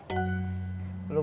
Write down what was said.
belum lapar pok